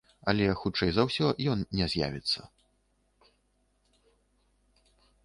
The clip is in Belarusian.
Але, хутчэй за ўсё, ён не з'явіцца.